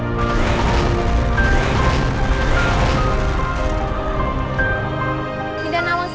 mereka sudah berhasil menangkap mereka